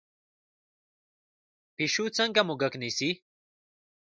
پیشو څنګه موږک نیسي؟